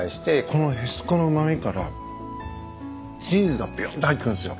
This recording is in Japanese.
このへしこのうま味からチーズがびゅんと入ってくるんすよ。